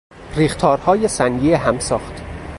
ریختارهای سنگی همساخت